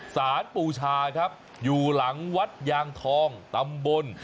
สารปูชาครับอยู่หลังวัดยางทองตำบล